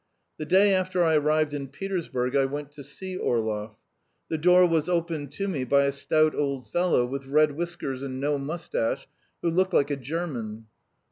The day after I arrived in Petersburg I went to see Orlov. The door was opened to me by a stout old fellow with red whiskers and no moustache, who looked like a German.